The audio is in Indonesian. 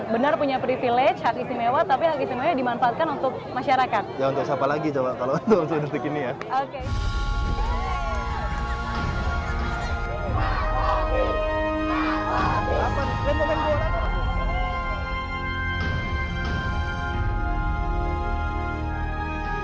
benar punya privilege hak istimewa tapi hak istimewanya dimanfaatkan untuk masyarakat